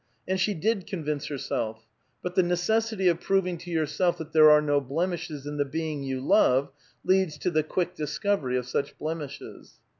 And she did convince herself; but the necessity of proving to your self that there are no blemishes in the bein^; you love leads to the quick discovery of such blemishes.